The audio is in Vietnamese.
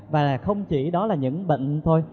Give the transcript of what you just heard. và không chỉ đó là những bệnh thôi